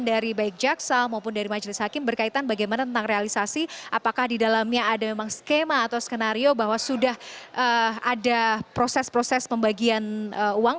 dari baik jaksa maupun dari majelis hakim berkaitan bagaimana tentang realisasi apakah di dalamnya ada memang skema atau skenario bahwa sudah ada proses proses pembagian uang